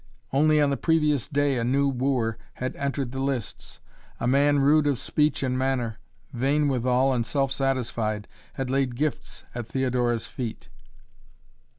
Only on the previous day a new wooer had entered the lists; a man rude of speech and manner, vain withal and self satisfied, had laid gifts at Theodora's feet.